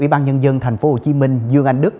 ủy ban nhân dân tp hcm dương anh đức